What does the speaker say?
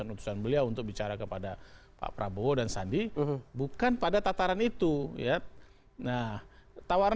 utusan beliau untuk bicara kepada pak prabowo dan sandi bukan pada tataran itu ya nah tawaran